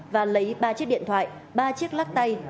và lấy ba chiếc điện thoại ba chiếc lắc tay